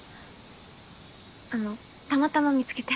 あのたまたま見つけて。